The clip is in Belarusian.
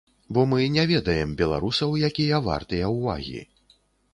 Бо мы не ведаем беларусаў, якія вартыя ўвагі.